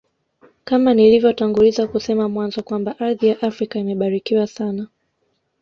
Kama nilivyotanguliza kusema mwanzo Kwamba ardhi ya Afrika imebarikiwa sana